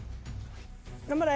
頑張れ。